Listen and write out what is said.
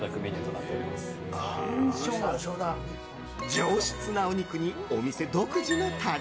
上質なお肉に、お店独自のタレ